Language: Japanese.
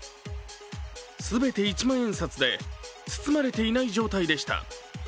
すべて一万円札で包まれていない状態でした。